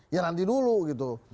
ya nanti dulu gitu